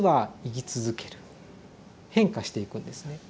変化していくんですね。